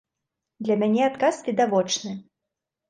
Для мяне адказ відавочны.